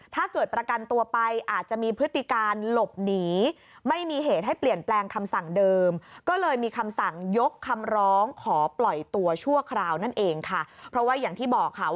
ถ้าเกิดประกันตัวไปอาจจะมีพฤติการหลบหนี